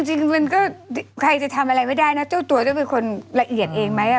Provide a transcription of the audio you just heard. จริงมันก็ใครจะทำอะไรไม่ได้นะเจ้าตัวจะเป็นคนละเอียดเองไหม